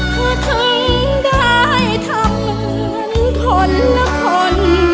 เธอทิ้งได้ทำเหมือนคนละคน